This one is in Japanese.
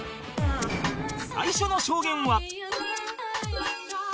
最初の証言は